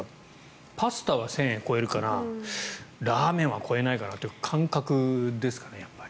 パスタは１０００円超えるかなラーメンは超えないかなという感覚ですかね、やっぱり。